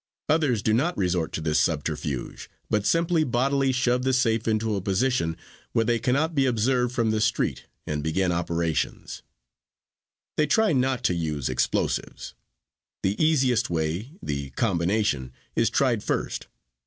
Others do not resort to this subterfuge, but simply bodily shove the safe into a position where they can not be observed from the street and begin operations. They try not to use explosives. The easiest way, the combination, is tried first.